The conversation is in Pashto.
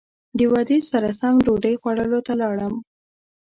د وعدې سره سم ډوډۍ خوړلو ته لاړم.